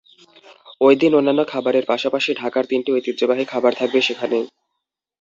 এই দিন অন্যান্য খাবারের পাশাপাশি ঢাকার তিনটি ঐতিহ্যবাহী খাবার থাকবে সেখানে।